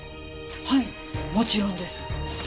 はいもちろんです。